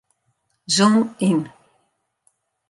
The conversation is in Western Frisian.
Zoom yn.